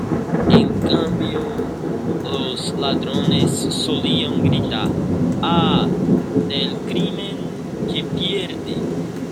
En cambio, los ladrones solían gritar ""¡Ah del Crimen que pierde!